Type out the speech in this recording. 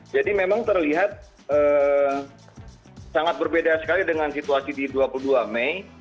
jadi memang terlihat sangat berbeda sekali dengan situasi di dua puluh dua mei